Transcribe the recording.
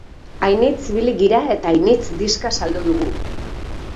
Ainitz ibili gira eta ainitz diska saldu dugu.